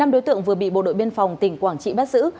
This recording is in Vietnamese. năm đối tượng vừa bị bộ đội biên phòng tỉnh quảng trị bắt giữ